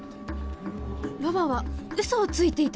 ロバはウソをついていたの！？